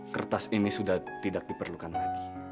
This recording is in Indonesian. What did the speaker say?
kertas ini sudah tidak diperlukan lagi